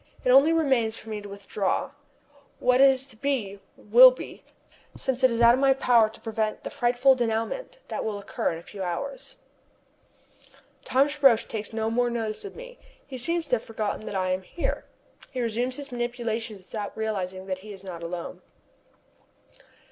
It only remains for me to withdraw. What is to be, will be, since it is out of my power to prevent the frightful dénouement that will occur in a few hours. Thomas Roch takes no more notice of me. He seems to have forgotten that I am here. He has resumed his manipulations without realizing that he is not alone.